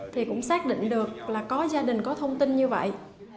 thì cũng xác định được là có gia đình có thông tin như vậy